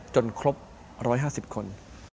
จนครบ๑๕๐คน